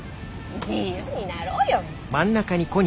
自由になろうよ！